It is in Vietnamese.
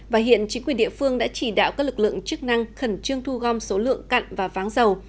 và hiện chính quyền địa phương đã chỉ đạo các lực lượng chức năng khẩn trương thu gom số lượng cặn và váng dầu